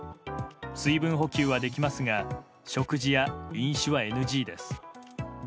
水分補給はできますが食事や飲酒はＮＧです。